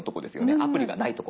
アプリがないとこ。